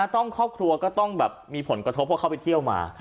ครอบครัวก็ต้องแบบมีผลกระทบเพราะเขาไปเที่ยวมา